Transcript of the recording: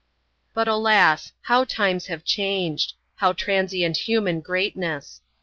But alas! how times have changed! how transient human greatness !